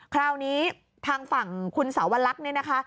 คราวนี้ทางฝั่งคุณสาวลักษณ์เนี่ยนะคะ